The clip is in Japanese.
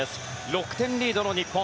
６点リードの日本。